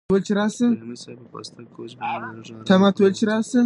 رحیمي صیب په پاسته کوچ باندې د لږ ارام لپاره وغځېد.